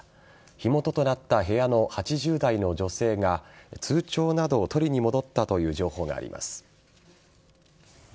火元となった部屋の８０代の女性が通帳などを取りに戻ったという情報があります。